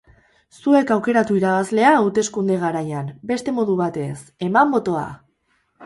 Zuek aukeratu irabazlea, hauteskunde garaian, beste modu batez, eman botoa!